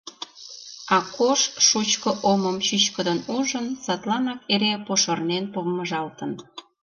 Акош шучко омым чӱчкыдын ужын, садланак эре пошырнен помыжалтын.